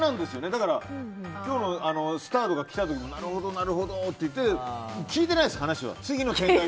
だから、今日のスターが来た時もなるほどなるほどって言って聞いてないです、話は。